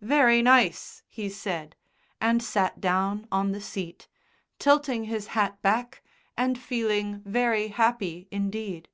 "Very nice," he said, and sat down on the seat, tilting his hat back and feeling very happy indeed.